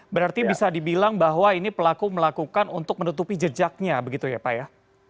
berarti bisa dibilang bahwa ini pelaku melakukan untuk menutupi jejaknya begitu ya pak ya